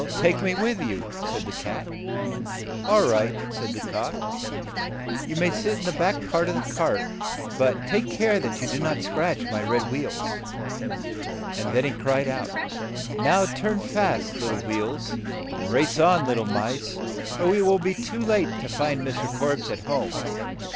"Take me with you," said the cat. "All right," said the cock. "You may sit in the back part of the cart, but take care you do not scratch my red wheels. MR. KOEBES 13 * V^ *"^sU li, ON THE ROAD TO MR. KORBES'S And then he cried out, "Now turn fast, little wheels, and race on lit tle mice, or we shall be too late to find Mr. Korbes at home."